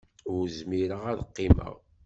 Ur zmireɣ ad qqimeɣ.